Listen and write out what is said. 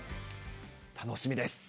楽しみです。